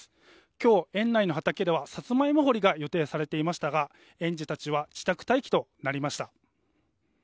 今日、園内の畑ではサツマイモ堀りが予定されていましたが園児たちは自宅待機となりました。